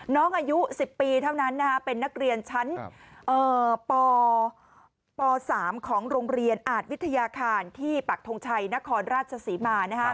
น้องอายุ๑๐ปีเท่านั้นเป็นนักเรียนชั้นป๓ของโรงเรียนอาจวิทยาคารที่ปักทงชัยนครราชศรีมา